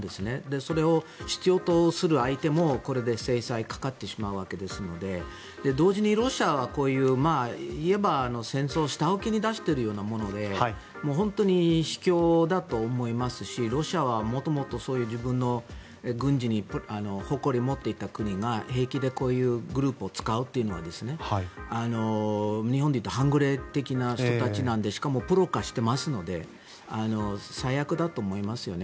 それを必要とする相手もこれで制裁がかかってしまうわけなので同時にロシアはこういういわば戦争を下請けに出しているようなもので本当に卑怯だと思いますしロシアは元々そういう自分の軍事に誇りを持っていた国が平気でこういうグループを使うというのは日本でいうと半グレ的な人たちなのでしかもプロ化していますので最悪だと思いますよね。